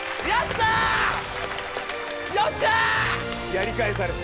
やり返された。